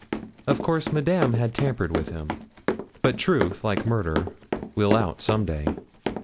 Of course Madame had tampered with him. But truth, like murder, will out some day.